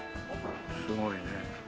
すごいね。